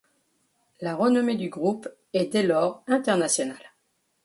La renommée du groupe est dès lors internationale.